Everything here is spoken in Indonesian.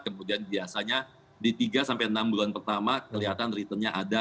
kemudian biasanya di tiga sampai enam bulan pertama kelihatan returnnya ada